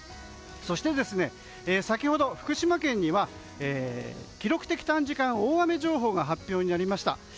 そして、先ほど福島県に記録的短時間大雨情報が発表になりました。